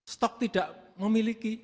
stok tidak memiliki